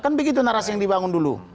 kan begitu narasi yang dibangun dulu